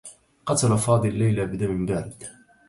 قتل فاضل ليلى بدم بارد.